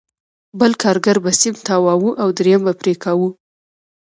بل کارګر به سیم تاواوه او درېیم به پرې کاوه